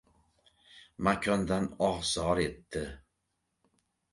Makondan oh-zor etdi: